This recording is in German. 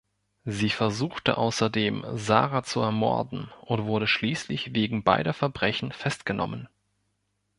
Sie versuchte außerdem, Sarah zu ermorden und wurde schließlich wegen beider Verbrechen festgenommen.